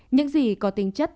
những gì có tính chất